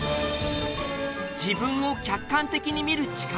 自分を客観的に見る力。